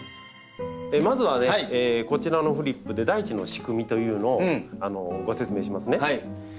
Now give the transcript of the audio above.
まずはねこちらのフリップで大地の仕組みというのをご説明しますね。